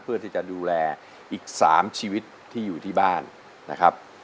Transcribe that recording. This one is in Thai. เพื่อที่จะดูแลอีก๓ชีวิตที่อยู่ที่บ้านนะครับ